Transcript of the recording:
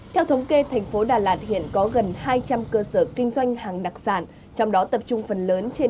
theo thống kê thành phố đà lạt hiện có gần hai trăm linh cơ sở kinh doanh hàng đặc sản trong đó tập trung phần lớn trên địa bàn phường tám